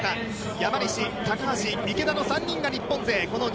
山西、高橋、池田の３人が日本勢。